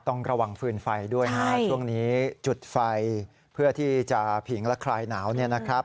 ต้องระวังฟืนไฟด้วยนะฮะช่วงนี้จุดไฟเพื่อที่จะผิงและคลายหนาวเนี่ยนะครับ